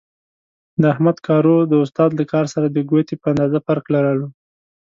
د احمد کارو د استاد له کار سره د ګوتې په اندازې فرق لرلو.